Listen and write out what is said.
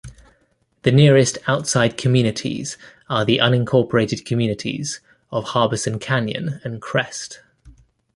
The nearest outside communities are the unincorporated communities of Harbison Canyon and Crest.